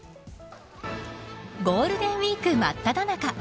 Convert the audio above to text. ゴールデンウイークまっただ中。